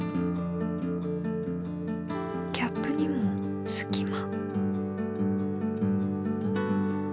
キャップにもすき間。